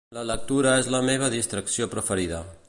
La lectura és la meva distracció preferida.